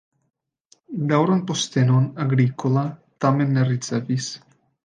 Daŭran postenon Agricola tamen ne ricevis.